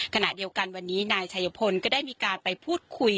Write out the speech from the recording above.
ขณะเดียวกันวันนี้นายชัยพลก็ได้มีการไปพูดคุย